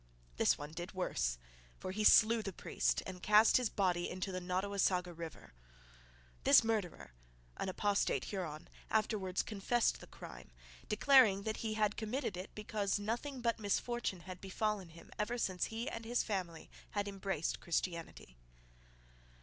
This one did worse, for he slew the priest and cast his body into the Nottawasaga river. This murderer, an apostate Huron, afterwards confessed the crime, declaring that he had committed it because nothing but misfortune had befallen him ever since he and his family had embraced Christianity.